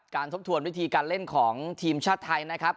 ทบทวนวิธีการเล่นของทีมชาติไทยนะครับ